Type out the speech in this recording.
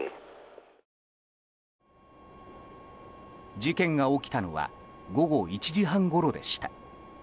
事件が起きたのは午後１時半ごろでした。